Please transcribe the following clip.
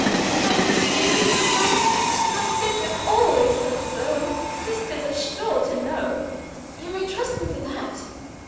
"I am as stupid as a donkey. My sisters always said so, and sisters are sure to know; you may trust them for that."